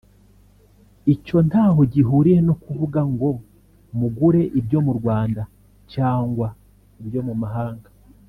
icyo ntaho gihuriye no kuvuga ngo mugure ibyo mu Rwanda cyangwa ibyo mu mahanga